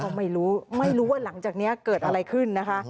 ก็ไม่รู้ไม่รู้ว่าหลังจากนี้เกิดอะไรขึ้นนะคะ